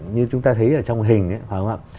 như chúng ta thấy ở trong hình